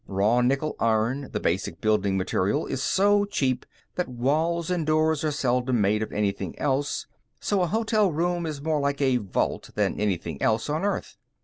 Raw nickel iron, the basic building material, is so cheap that walls and doors are seldom made of anything else, so a hotel room is more like a vault than anything else on Earth.